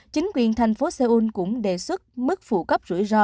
chính quyền thành phố seoul cũng đề xuất mức phụ cấp rủi ro